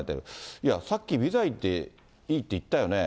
いや、さっき、微罪でいいって言ったよね。